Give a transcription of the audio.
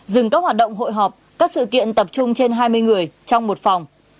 dừng các hoạt động hội họp các sự kiện tập trung trên hai mươi người trong một phòng